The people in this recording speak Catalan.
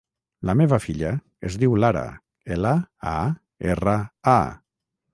La meva filla es diu Lara: ela, a, erra, a.